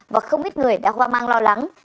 và không ít người đã hoa mang lo lắng